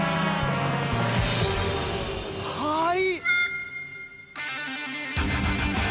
はい。